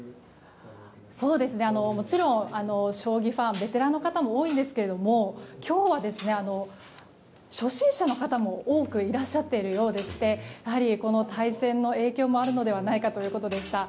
もちろん、将棋ファンベテランの方も多いんですけど今日は初心者の方も多くいらっしゃっているようでやはり対戦の影響もあるのではないかということでした。